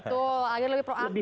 betul agar lebih proaktif sih ya